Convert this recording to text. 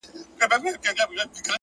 پوهه د ذهن بندې دروازې ماتوي!.